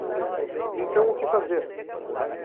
Então o que fazer